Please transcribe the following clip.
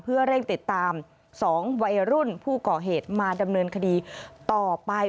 เพื่อเร่งติดตาม๒วัยรุ่นผู้ก่อเหตุมาดำเนินคดีต่อไป